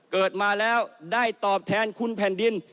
เกิดมาแล้วได้ตอบแทนคุณแผ่นดิน